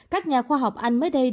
các nhà khoa học anh mới đây đặt lời